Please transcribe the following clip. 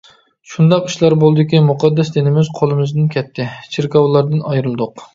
-شۇنداق ئىشلار بولدىكى، مۇقەددەس دىنىمىز قولىمىزدىن كەتتى، چېركاۋلاردىن ئايرىلدۇق.